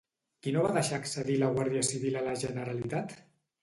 Qui no va deixar accedir la Guàrdia Civil a la Generalitat?